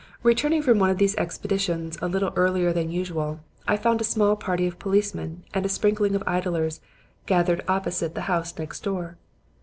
"Returning from one of these expeditions a little earlier than usual, I found a small party of policemen and a sprinkling of idlers gathered opposite the house next door.